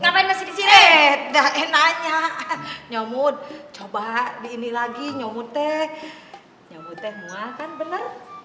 sampai jumpa di video selanjutnya